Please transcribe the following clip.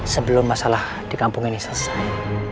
sebelum masalah di kampung ini selesai